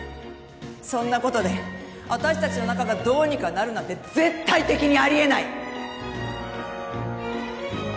そんなことで私たちの仲がどうにかなるなんて絶対的にありえない！